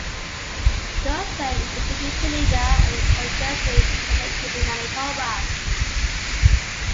Goertzen is the deputy leader of the Progressive Conservatives in Manitoba.